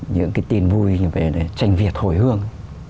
những cái tin vui như vậy để tranh việt hồi hương